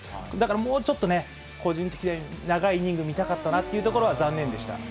だからもうちょっとね、個人的に長いイニング見たかったなというところは残念でした。